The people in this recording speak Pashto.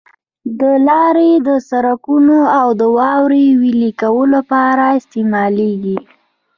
د لارو او سرکونو د واورې ویلي کولو لپاره استعمالیږي.